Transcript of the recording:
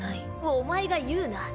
お前が言うな。